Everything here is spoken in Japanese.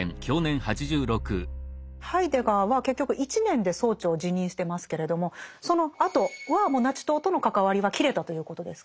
ハイデガーは結局１年で総長を辞任してますけれどもそのあとはもうナチ党との関わりは切れたということですか？